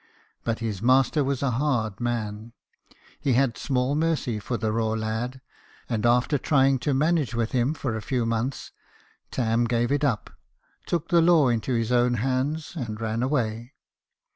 But his master was a hard man ; he had small mercy for the raw lad ; and after trying to manage with him for a few months, Tarn gave it up, took the law into his own hands, and ran away.